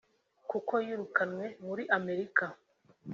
kuko yirukanwe muri Amerika